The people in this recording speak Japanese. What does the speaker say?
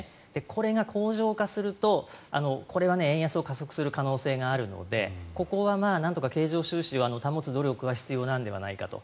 これが恒常化すると円安を加速する可能性があるのでここはなんとか経常収支を保つ努力は必要なんではないかと。